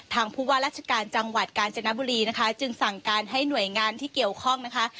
ผู้ว่าราชการจังหวัดกาญจนบุรีนะคะจึงสั่งการให้หน่วยงานที่เกี่ยวข้องนะคะ